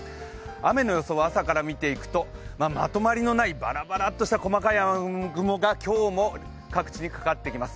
雨の予想を朝から見ていくとまとまりのない、ばらばらっとした雨雲が今日も各地にかかってきます。